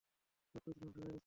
সবকিছু ধ্বংস হয়ে গেছে!